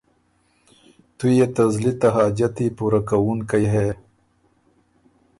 تُو يې ته زلی ته حاجتي پُورۀ کوُونکئ هې۔